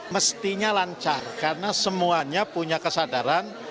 mestinya lancar karena semuanya punya kesadaran